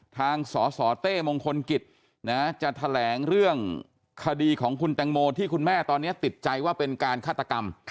สสเต้มงคลกิจจะแถลงเรื่องคดีของคุณแตงโมที่คุณแม่ตอนนี้ติดใจว่าเป็นการฆาตกรรม